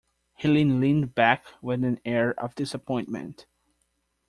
Helene leaned back with an air of disappointment.